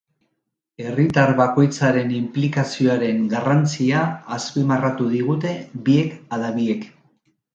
Herritar bakoitzaren inplikazioaren garrantzia azpimarratu digute biek ala biek.